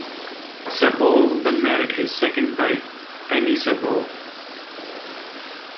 Sabol then married his second wife, Penny Sabol.